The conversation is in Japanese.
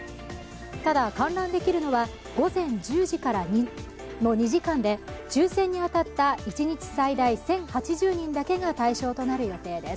ただ、観覧できるのは午前１０時からの２時間で抽選に当たった一日最大１０８０人だけが対象となる予定です。